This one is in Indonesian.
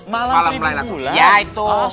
malam seribu bulan